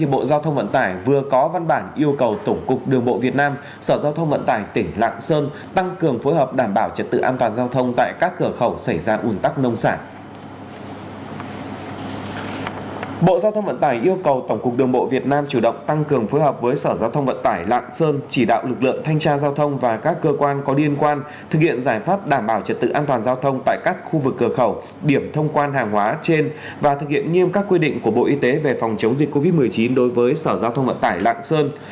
bộ giao thông vận tải yêu cầu tổng cục đường bộ việt nam chủ động tăng cường phối hợp với sở giao thông vận tải lạng sơn chỉ đạo lực lượng thanh tra giao thông và các cơ quan có liên quan thực hiện giải pháp đảm bảo trật tự an toàn giao thông tại các khu vực cờ khẩu điểm thông quan hàng hóa trên và thực hiện nghiêm các quy định của bộ y tế về phòng chống dịch covid một mươi chín đối với sở giao thông vận tải lạng sơn